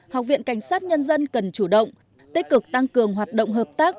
học viện cảnh sát nhân dân cần chủ động tích cực tăng cường hoạt động hợp tác